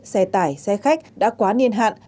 xe tải xe khách đã quá niên hạn